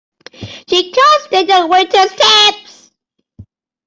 You can't steal your waiters' tips!